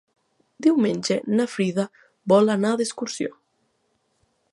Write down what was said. Diumenge na Frida vol anar d'excursió.